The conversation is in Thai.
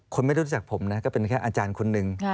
ไม่รู้จักผมนะก็เป็นแค่อาจารย์คนหนึ่ง